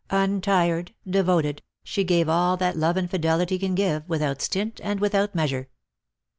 Untired, devoted, she gave all that love and fidelity can give, without stint and without measure.